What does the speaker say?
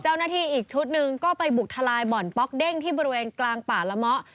อีกชุดหนึ่งก็ไปบุกทลายบ่อนป๊อกเด้งที่บริเวณกลางป่าละเมาะ